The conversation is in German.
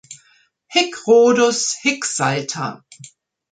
Hic Rhodus, hic salta!